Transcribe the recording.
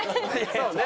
そうね。